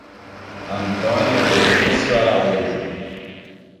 Antônia Benicio Araújo